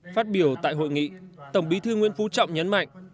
phát biểu tại hội nghị tổng bí thư nguyễn phú trọng nhấn mạnh